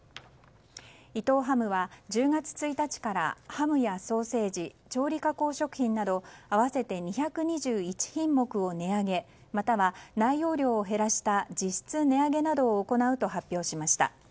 伊藤ハムは１０月１日からハムやソーセージ調理加工食品など合わせて２２１品目を値上げまたは内容量を減らした実質値上げなどを行うと発表しました。